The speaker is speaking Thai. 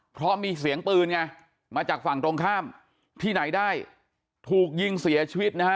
เพราะมีเสียงปืนไงมาจากฝั่งตรงข้ามที่ไหนได้ถูกยิงเสียชีวิตนะฮะ